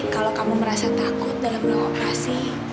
kalau kamu merasa takut dalam beroperasi